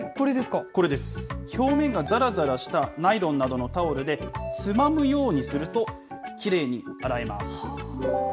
表面がざらざらしたナイロンなどのタオルで、つまむようにすると、きれいに洗えます。